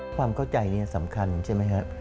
ความเข้าใจนี้สำคัญใช่ไหมฮะ